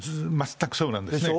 全くそうなんですね。